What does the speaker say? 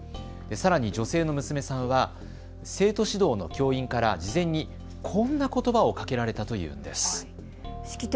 さらに女性の娘さんは生徒指導の教員から事前にこんなことばをかけられたというんです。